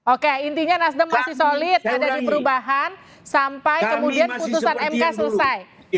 oke intinya nasdem masih solid ada di perubahan sampai kemudian putusan mk selesai